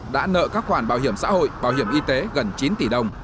đã nợ các khoản bảo hiểm xã hội bảo hiểm y tế gần chín tỷ đồng